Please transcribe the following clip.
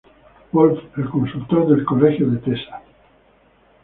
Wolf, el consultor del colegio de Tessa.